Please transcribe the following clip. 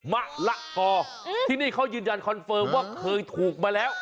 มะละกอที่นี่เขายืนยันคอนเฟิร์มว่าเคยถูกมาแล้ว